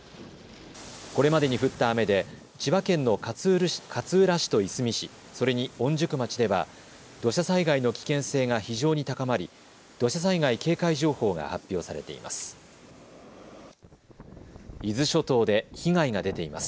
これまでに降った雨で千葉県の勝浦市といすみ市、それに御宿町では土砂災害の危険性が非常に高まり土砂災害警戒情報が発表されています。